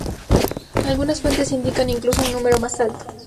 Algunas fuentes indican incluso un número más alto.